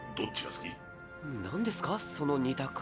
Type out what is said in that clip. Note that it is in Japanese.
何ですかその２択？